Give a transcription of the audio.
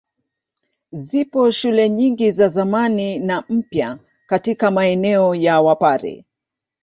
Zipo shule nyingi za zamani na mpya katika maeneo ya Wapare.